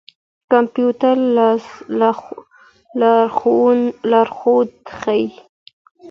کمپيوټر لارښود ښيي.